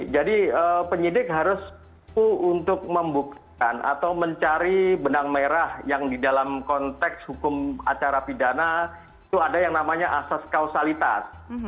jadi penyidik harus untuk membuktikan atau mencari benang merah yang di dalam konteks hukum acara pidana itu ada yang namanya asas kausalitas